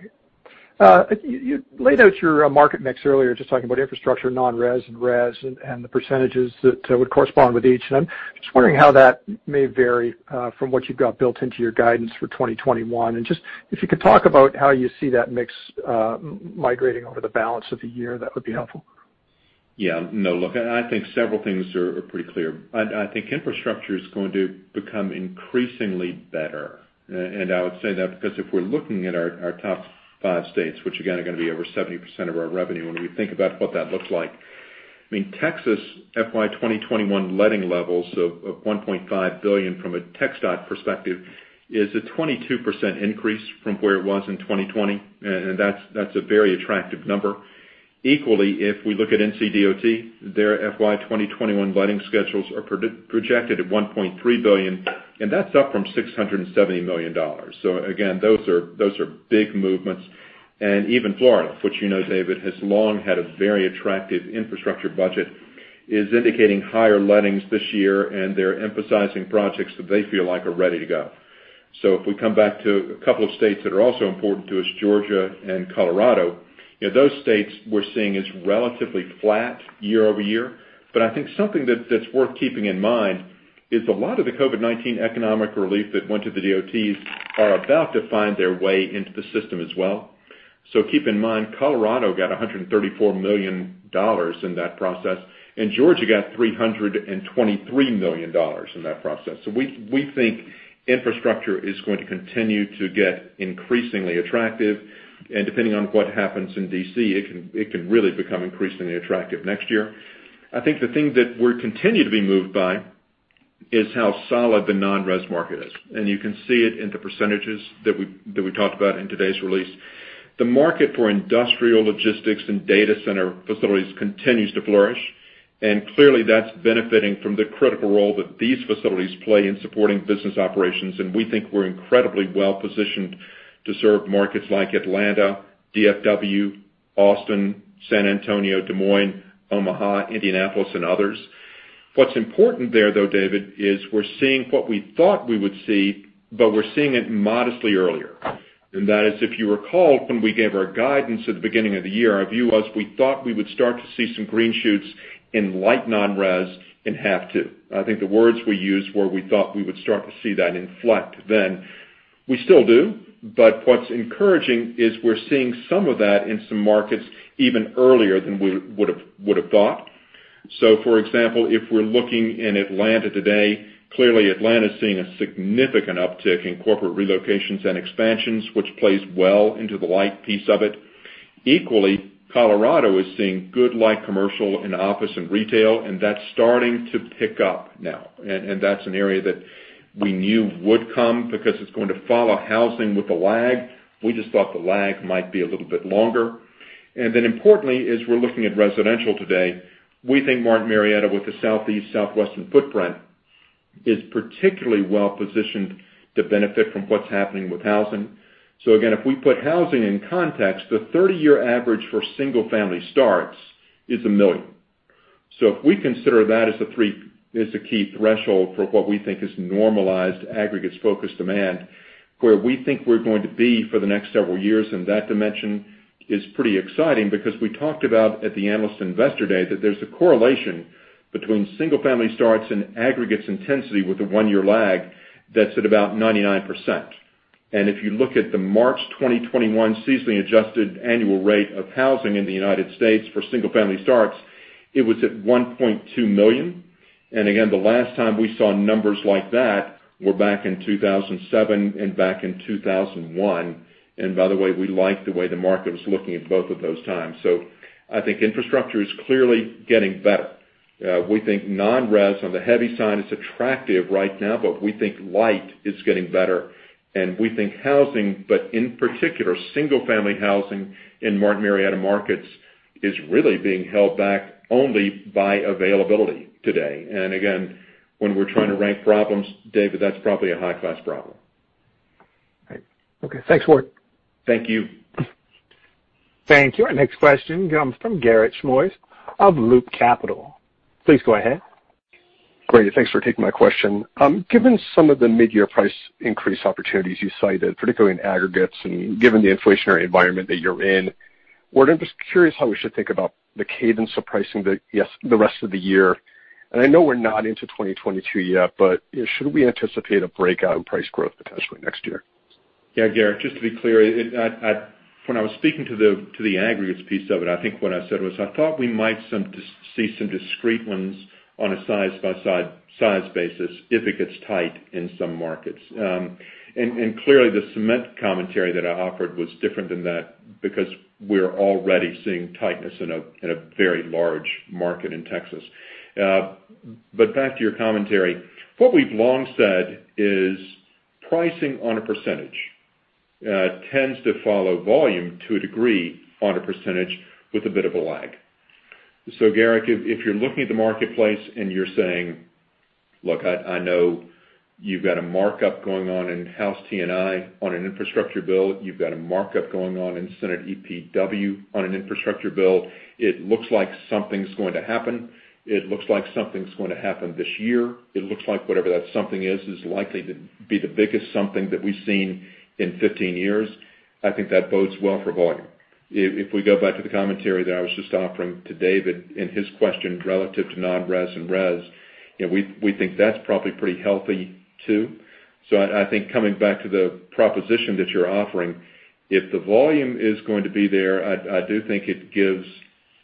You laid out your market mix earlier, just talking about infrastructure, non-res and res, and the percentages that would correspond with each. I'm just wondering how that may vary from what you've got built into your guidance for 2021. Just if you could talk about how you see that mix migrating over the balance of the year, that would be helpful. Yeah, no, look, I think several things are pretty clear. I think infrastructure is going to become increasingly better. I would say that because if we're looking at our top five states, which again, are going to be over 70% of our revenue, when we think about what that looks like. Texas FY 2021 letting levels of $1.5 billion from a TxDOT perspective is a 22% increase from where it was in 2020. That's a very attractive number. Equally, if we look at NCDOT, their FY 2022 letting schedules are projected at $1.3 billion, and that's up from $670 million. Again, those are big movements. Even Florida, which you know David, has long had a very attractive infrastructure budget, is indicating higher lettings this year, and they're emphasizing projects that they feel like are ready to go. If we come back to a couple of states that are also important to us, Georgia and Colorado, those states we're seeing as relatively flat year-over-year. I think something that's worth keeping in mind is a lot of the COVID-19 economic relief that went to the DOTs are about to find their way into the system as well. Keep in mind, Colorado got $134 million in that process, and Georgia got $323 million in that process. We think infrastructure is going to continue to get increasingly attractive. Depending on what happens in D.C., it can really become increasingly attractive next year. I think the thing that we're continuing to be moved by is how solid the non-res market is. You can see it in the percentages that we talked about in today's release. The market for industrial logistics and data center facilities continues to flourish, and clearly that's benefiting from the critical role that these facilities play in supporting business operations. we think we're incredibly well-positioned to serve markets like Atlanta, DFW, Austin, San Antonio, Des Moines, Omaha, Indianapolis, and others. What's important there, though, David, is we're seeing what we thought we would see, but we're seeing it modestly earlier. That is, if you recall, when we gave our guidance at the beginning of the year, our view was we thought we would start to see some green shoots in light non-res in H2. I think the words we used were we thought we would start to see that in flat then. We still do, but what's encouraging is we're seeing some of that in some markets even earlier than we would've thought. For example, if we're looking in Atlanta today, clearly Atlanta is seeing a significant uptick in corporate relocations and expansions, which plays well into the light piece of it. Equally, Colorado is seeing good light commercial in office and retail, and that's starting to pick up now. That's an area that we knew would come because it's going to follow housing with a lag. We just thought the lag might be a little bit longer. Importantly, as we're looking at residential today, we think Martin Marietta, with the southeast, southwestern footprint, is particularly well-positioned to benefit from what's happening with housing. Again, if we put housing in context, the 30-year average for single-family starts is a million. If we consider that as a key threshold for what we think is normalized aggregates focused demand, where we think we're going to be for the next several years in that dimension is pretty exciting because we talked about at the Analyst Investor Day that there's a correlation between single-family starts and aggregates intensity with a one-year lag that's at about 99%. If you look at the March 2021 seasonally adjusted annual rate of housing in the United States for single-family starts, it was at 1.2 million. Again, the last time we saw numbers like that were back in 2007 and back in 2001. By the way, we liked the way the market was looking at both of those times. I think infrastructure is clearly getting better. We think non-res on the heavy side is attractive right now, but we think light is getting better, and we think housing, but in particular, single-family housing in Martin Marietta markets is really being held back only by availability today. Again, when we're trying to rank problems, David, that's probably a high-class problem. Right. Okay, thanks, Ward. Thank you. Thank you. Our next question comes from Garik Shmois of Loop Capital. Please go ahead. Great. Thanks for taking my question. Given some of the mid-year price increase opportunities you cited, particularly in aggregates, and given the inflationary environment that you're in, Ward, I'm just curious how we should think about the cadence of pricing the rest of the year. I know we're not into 2022 yet, but should we anticipate a breakout in price growth potentially next year? Yeah. Garik, just to be clear, when I was speaking to the aggregates piece of it, I think what I said was I thought we might see some discrete ones on a size-by-size basis if it gets tight in some markets. Clearly the cement commentary that I offered was different than that because we're already seeing tightness in a very large market in Texas. Back to your commentary, what we've long said is pricing on a percentage tends to follow volume to a degree on a percentage with a bit of a lag. Garik, if you're looking at the marketplace and you're saying, "Look, I know you've got a markup going on in House T&I on an infrastructure bill, you've got a markup going on in Senate EPW on an infrastructure bill. It looks like something's going to happen. It looks like something's going to happen this year. It looks like whatever that something is likely to be the biggest something that we've seen in 15 years." I think that bodes well for volume. If we go back to the commentary that I was just offering to David and his question relative to non-res and res, we think that's probably pretty healthy too. I think coming back to the proposition that you're offering, if the volume is going to be there, I do think it gives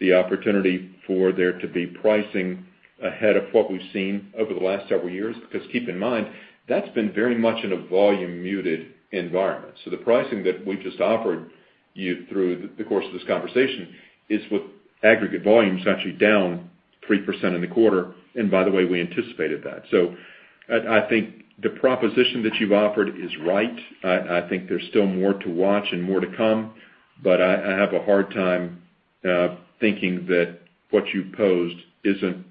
the opportunity for there to be pricing ahead of what we've seen over the last several years, because keep in mind, that's been very much in a volume-muted environment. The pricing that we just offered you through the course of this conversation is with aggregate volumes actually down 3% in the quarter, and by the way, we anticipated that. I think the proposition that you've offered is right. I think there's still more to watch and more to come, but I have a hard time thinking that what you posed isn't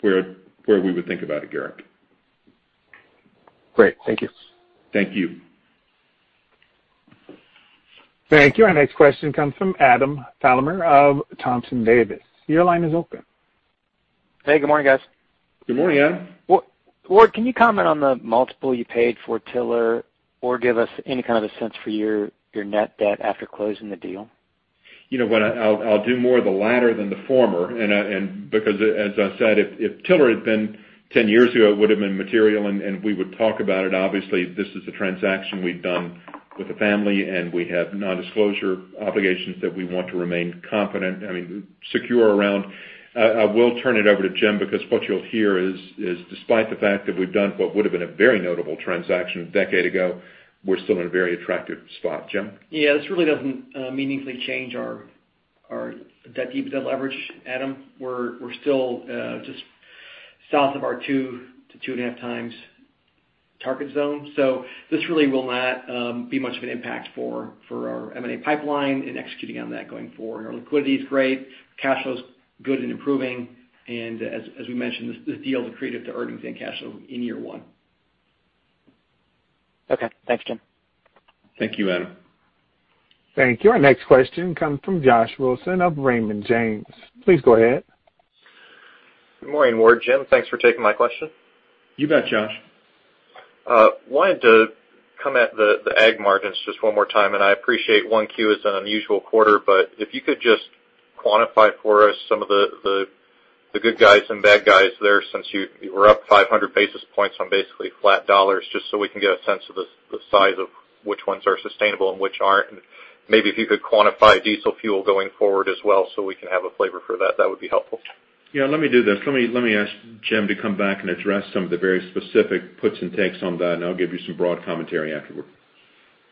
where we would think about it, Garik. Great. Thank you. Thank you. Thank you. Our next question comes from Adam Thalhimer of Thompson Davis. Your line is open. Hey, good morning, guys. Good morning, Adam. Ward, can you comment on the multiple you paid for Tiller or give us any kind of a sense for your net debt after closing the deal? I'll do more of the latter than the former, because as I said, if Tiller had been 10 years ago, it would've been material and we would talk about it. Obviously, this is a transaction we've done with the family, and we have non-disclosure obligations that we want to remain secure around. I will turn it over to Jim because what you'll hear is, despite the fact that we've done what would've been a very notable transaction a decade ago, we're still in a very attractive spot. Jim? Yeah. This really doesn't meaningfully change our debt leverage, Adam. We're still just south of our 2x-2.5x target zone. This really will not be much of an impact for our M&A pipeline and executing on that going forward. Our liquidity is great. Cash flow's good and improving. As we mentioned, this deal is accretive to earnings and cash flow in year one. Okay. Thanks, Jim. Thank you, Adam. Thank you. Our next question comes from Josh Wilson of Raymond James. Please go ahead. Good morning, Ward, Jim. Thanks for taking my question. You bet, Josh. Wanted to come at the ag margins just one more time, and I appreciate 1Q is an unusual quarter, but if you could just quantify for us some of the good guys and bad guys there since you were up 500 basis points on basically flat dollars, just so we can get a sense of the size of which ones are sustainable and which aren't. Maybe if you could quantify diesel fuel going forward as well so we can have a flavor for that would be helpful. Yeah, let me do this. Let me ask Jim to come back and address some of the very specific puts and takes on that, and I'll give you some broad commentary afterward.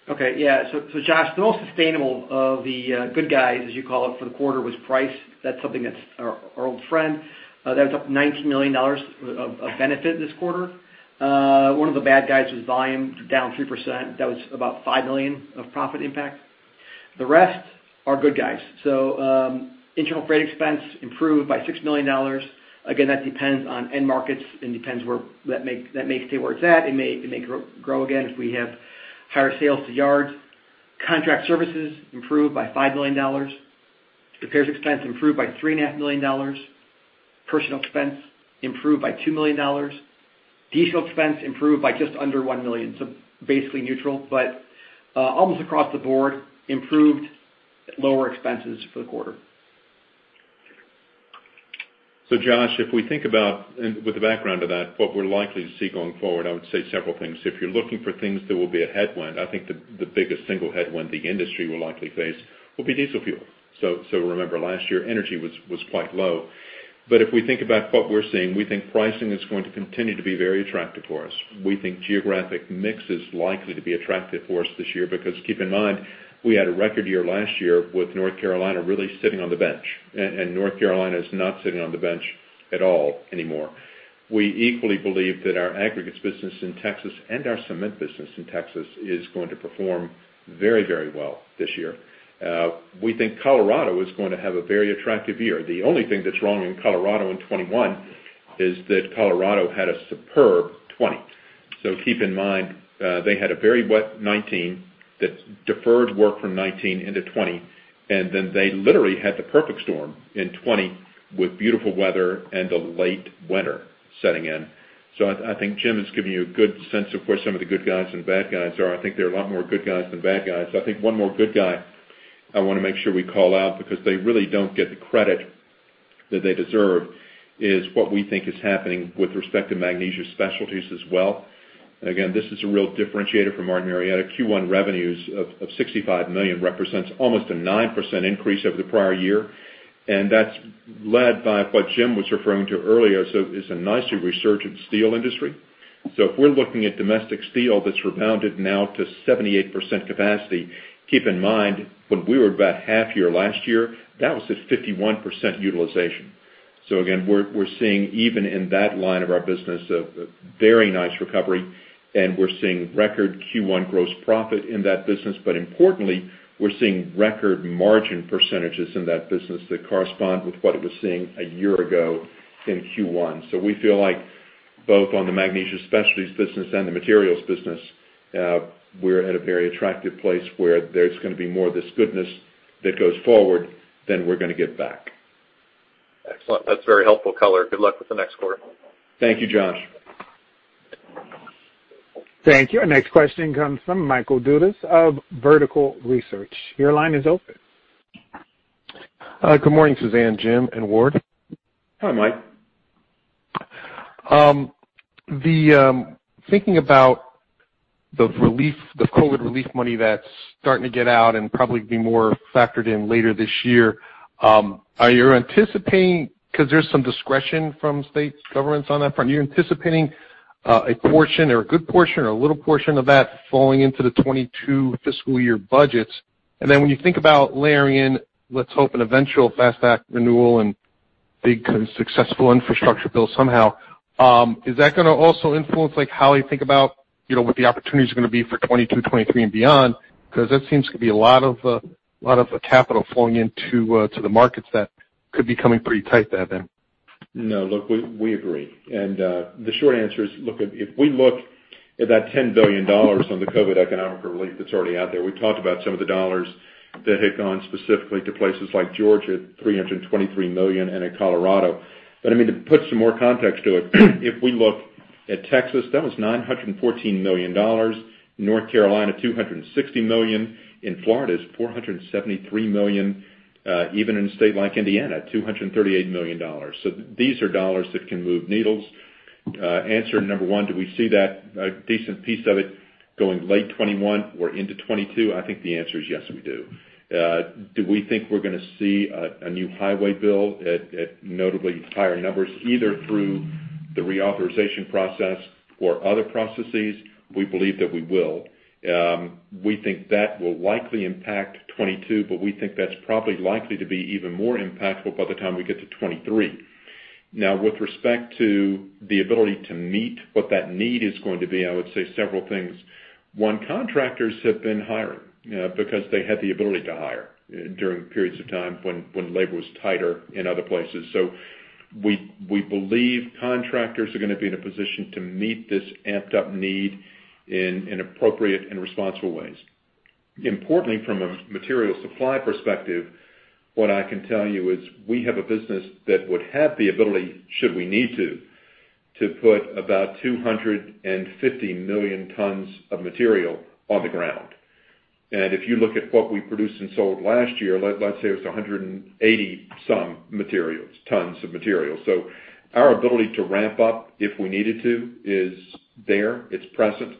Okay. Yeah. Josh, the most sustainable of the good guys, as you call it, for the quarter, was price. That's something that's our old friend. That was up $19 million of benefit this quarter. One of the bad guys was volume, down 3%. That was about $5 million of profit impact. The rest are good guys. Internal freight expense improved by $6 million. Again, that depends on end markets and depends where that may stay where it's at. It may grow again if we have higher sales to yard. Contract services improved by $5 million. Repairs expense improved by $3.5 million. Personnel expense improved by $2 million. Diesel expense improved by just under $1 million. Basically neutral, but almost across the board, improved lower expenses for the quarter. Josh, if we think about, and with the background of that, what we're likely to see going forward, I would say several things. If you're looking for things that will be a headwind, I think the biggest single headwind the industry will likely face will be diesel fuel. Remember last year, energy was quite low. If we think about what we're seeing, we think pricing is going to continue to be very attractive for us. We think geographic mix is likely to be attractive for us this year because keep in mind, we had a record year last year with North Carolina really sitting on the bench, and North Carolina is not sitting on the bench at all anymore. We equally believe that our aggregates business in Texas and our cement business in Texas is going to perform very well this year. We think Colorado is going to have a very attractive year. The only thing that's wrong in Colorado in 2021 is that Colorado had a superb 2020. Keep in mind, they had a very wet 2019 that deferred work from 2019 into 2020, and then they literally had the perfect storm in 2020 with beautiful weather and a late winter setting in. I think Jim has given you a good sense of where some of the good guys and bad guys are. I think there are a lot more good guys than bad guys. I think one more good guy I want to make sure we call out, because they really don't get the credit that they deserve, is what we think is happening with respect to Magnesia Specialties as well. Again, this is a real differentiator from Martin Marietta. Q1 revenues of $65 million represents almost a 9% increase over the prior year, and that's led by what Jim was referring to earlier. it's a nicely resurgent steel industry. if we're looking at domestic steel that's rebounded now to 78% capacity, keep in mind, when we were about half year last year, that was just 51% utilization. again, we're seeing, even in that line of our business, a very nice recovery, and we're seeing record Q1 gross profit in that business. importantly, we're seeing record margin percentages in that business that correspond with what it was seeing a year ago in Q1. we feel like both on the Magnesia Specialties business and the Materials business, we're at a very attractive place where there's going to be more of this goodness that goes forward than we're going to give back. Excellent. That's very helpful color. Good luck with the next quarter. Thank you, Josh. Thank you. Our next question comes from Michael Dudas of Vertical Research. Your line is open. Good morning, Suzanne, Jim, and Ward. Hi, Mike. Thinking about the COVID relief money that's starting to get out and probably be more factored in later this year, are you anticipating, because there's some discretion from state governments on that front, are you anticipating a portion or a good portion or a little portion of that falling into the 2022 fiscal year budgets? When you think about layering in, let's hope, an eventual FAST Act renewal and big successful infrastructure bill somehow, is that going to also influence how you think about what the opportunities are going to be for 2022, 2023, and beyond? Because that seems to be a lot of capital flowing into the markets that could be coming pretty tight there then. No, look, we agree. The short answer is, if we look at that $10 billion on the COVID economic relief that's already out there, we talked about some of the dollars that had gone specifically to places like Georgia, $323 million, and in Colorado. To put some more context to it, if we look at Texas, that was $914 million, North Carolina, $260 million, in Florida it's $473 million. Even in a state like Indiana, $238 million. These are dollars that can move needles. Answer number one, do we see a decent piece of it going late 2021 or into 2022? I think the answer is yes, we do. Do we think we're going to see a new highway bill at notably higher numbers, either through the reauthorization process or other processes? We believe that we will. We think that will likely impact 2022, but we think that's probably likely to be even more impactful by the time we get to 2023. Now with respect to the ability to meet what that need is going to be, I would say several things. One, contractors have been hiring because they had the ability to hire during periods of time when labor was tighter in other places. We believe contractors are going to be in a position to meet this amped up need in appropriate and responsible ways. Importantly, from a material supply perspective, what I can tell you is we have a business that would have the ability, should we need to put about 250 million tons of material on the ground. If you look at what we produced and sold last year, let's say it was 180 tons of materials. Our ability to ramp up if we needed to is there, it's present.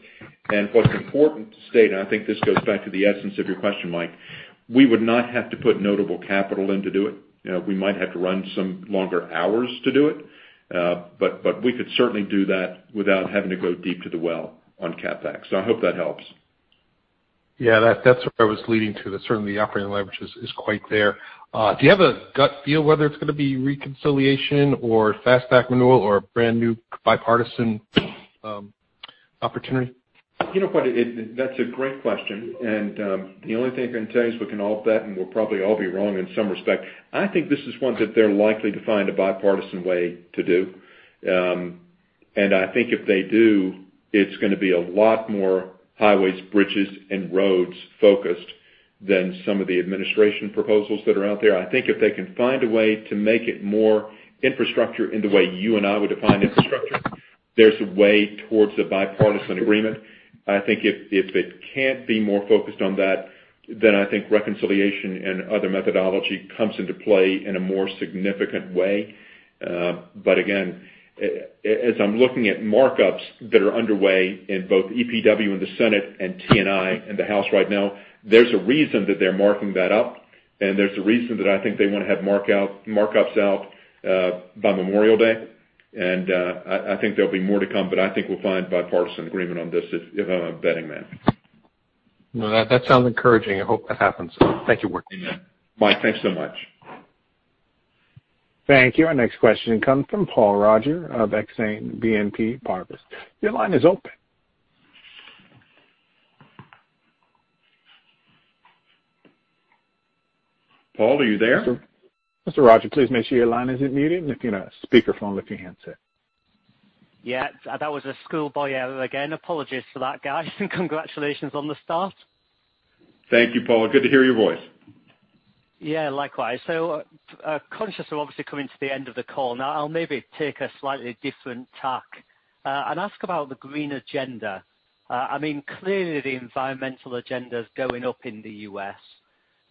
What's important to state, and I think this goes back to the essence of your question, Mike, we would not have to put notable capital in to do it. We might have to run some longer hours to do it. We could certainly do that without having to go deep to the well on CapEx. I hope that helps. Yeah, that's what I was leading to. Certainly the operating leverage is quite there. Do you have a gut feel whether it's going to be reconciliation or FAST Act renewal or a brand new bipartisan opportunity? You know what? That's a great question, and the only thing I can tell you is we can all bet, and we'll probably all be wrong in some respect. I think this is one that they're likely to find a bipartisan way to do. I think if they do, it's going to be a lot more highways, bridges, and roads focused than some of the administration proposals that are out there. I think if they can find a way to make it more infrastructure in the way you and I would define infrastructure, there's a way towards a bipartisan agreement. I think if it can't be more focused on that, then I think reconciliation and other methodology comes into play in a more significant way. Again, as I'm looking at markups that are underway in both EPW in the Senate and T&I in the House right now, there's a reason that they're marking that up, and there's a reason that I think they want to have markups out by Memorial Day. I think there'll be more to come, but I think we'll find bipartisan agreement on this if I'm betting, man. No, that sounds encouraging. I hope that happens. Thank you, Ward. Mike, thanks so much. Thank you. Our next question comes from Paul Roger of Exane BNP Paribas. Your line is open. Paul, are you there? Mr. Roger, please make sure your line isn't muted and if in a speakerphone, lift your handset. Yeah. That was a school boy error again. Apologies for that, guys, and congratulations on the start. Thank you, Paul. Good to hear your voice. Yeah, likewise. Conscious we're obviously coming to the end of the call now, I'll maybe take a slightly different tack, and ask about the green agenda. Clearly the environmental agenda is going up in the U.S.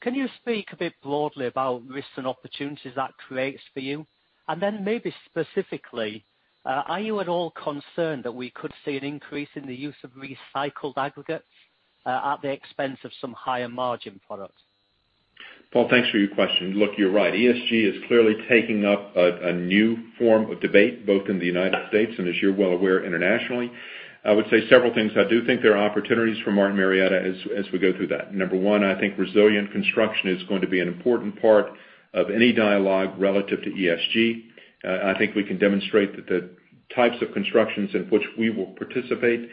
Can you speak a bit broadly about risks and opportunities that creates for you? Then maybe specifically, are you at all concerned that we could see an increase in the use of recycled aggregates at the expense of some higher margin products? Paul, thanks for your question. Look, you're right. ESG is clearly taking up a new form of debate both in the United States and as you're well aware, internationally. I would say several things. I do think there are opportunities for Martin Marietta as we go through that. Number one, I think resilient construction is going to be an important part of any dialogue relative to ESG. I think we can demonstrate that types of constructions in which we will participate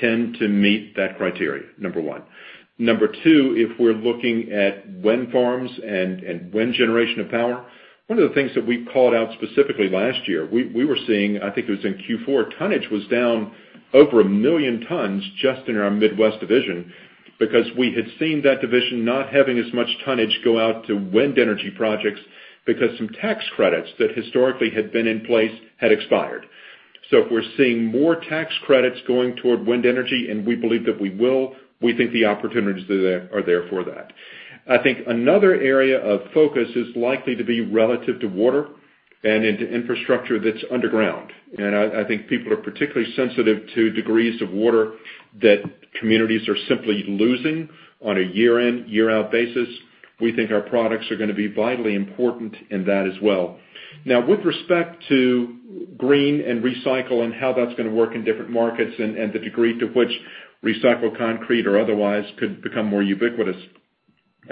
tend to meet that criteria, number one. Number two, if we're looking at wind farms and wind generation of power, one of the things that we called out specifically last year, we were seeing, I think it was in Q4, tonnage was down over 1,000,000 tons just in our Midwest division because we had seen that division not having as much tonnage go out to wind energy projects because some tax credits that historically had been in place had expired. If we're seeing more tax credits going toward wind energy, and we believe that we will, we think the opportunities are there for that. I think another area of focus is likely to be relative to water and into infrastructure that's underground. I think people are particularly sensitive to degrees of water that communities are simply losing on a year-in, year-out basis. We think our products are going to be vitally important in that as well. Now, with respect to green and recycle and how that's going to work in different markets and the degree to which recycled concrete or otherwise could become more ubiquitous,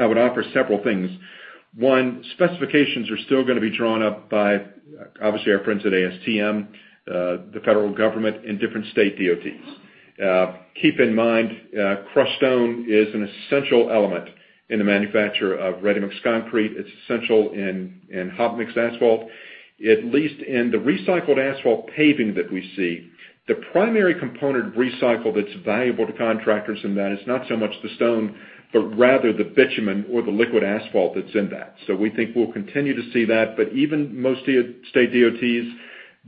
I would offer several things. One, specifications are still going to be drawn up by, obviously, our friends at ASTM, the federal government, and different state DOTs. Keep in mind, crushed stone is an essential element in the manufacture of ready-mix concrete. It's essential in hot mix asphalt. At least in the recycled asphalt paving that we see, the primary component of recycle that's valuable to contractors in that is not so much the stone, but rather the bitumen or the liquid asphalt that's in that. We think we'll continue to see that. Even most state DOTs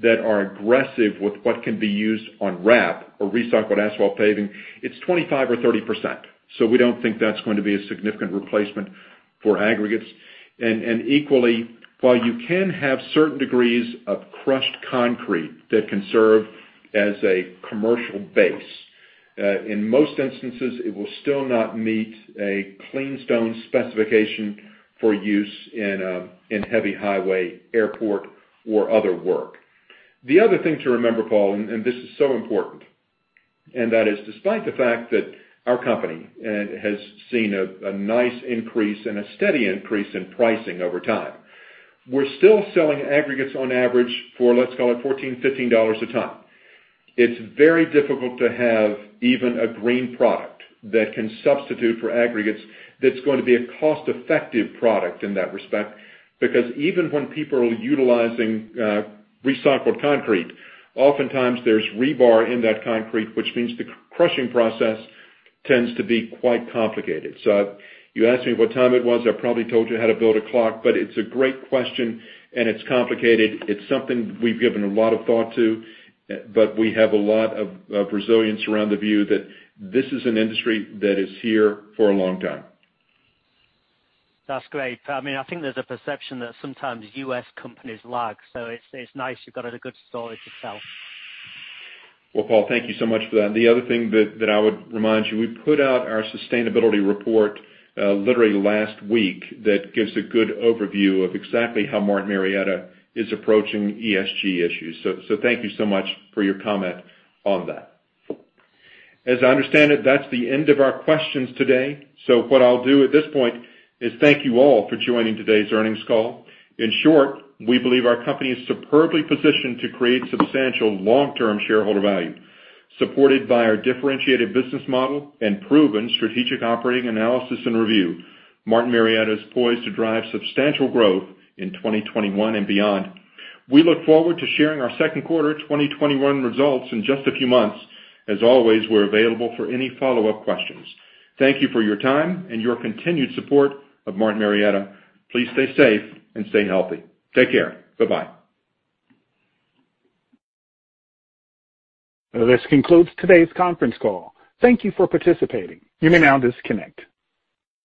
that are aggressive with what can be used on RAP or recycled asphalt paving, it's 25% or 30%. We don't think that's going to be a significant replacement for aggregates. Equally, while you can have certain degrees of crushed concrete that can serve as a commercial base, in most instances, it will still not meet a clean stone specification for use in heavy highway, airport, or other work. The other thing to remember, Paul, and this is so important, and that is despite the fact that our company has seen a nice increase and a steady increase in pricing over time, we're still selling aggregates on average for, let's call it $14, $15 a ton. It's very difficult to have even a green product that can substitute for aggregates that's going to be a cost-effective product in that respect, because even when people are utilizing recycled concrete, oftentimes there's rebar in that concrete, which means the crushing process tends to be quite complicated. if you asked me what time it was, I probably told you how to build a clock, but it's a great question and it's complicated. It's something we've given a lot of thought to, but we have a lot of resilience around the view that this is an industry that is here for a long time. That's great. I think there's a perception that sometimes U.S. companies lag, so it's nice you've got a good story to tell. Well, Paul, thank you so much for that. The other thing that I would remind you. We put out our sustainability report literally last week that gives a good overview of exactly how Martin Marietta is approaching ESG issues. Thank you so much for your comment on that. As I understand it, that's the end of our questions today. What I'll do at this point is thank you all for joining today's earnings call. In short, we believe our company is superbly positioned to create substantial long-term shareholder value. Supported by our differentiated business model and proven Strategic Operating Analysis and Review, Martin Marietta is poised to drive substantial growth in 2021 and beyond. We look forward to sharing our second quarter 2021 results in just a few months. As always, we're available for any follow-up questions. Thank you for your time and your continued support of Martin Marietta. Please stay safe and stay healthy. Take care. Bye-bye. This concludes today's conference call. Thank you for participating. You may now disconnect.